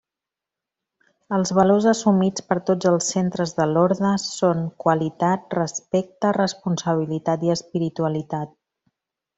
Els valors assumits per tots els centres de l'orde són: qualitat, respecte, responsabilitat i espiritualitat.